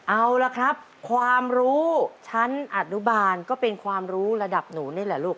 เอาละครับความรู้ชั้นอนุบาลก็เป็นความรู้ระดับหนูนี่แหละลูก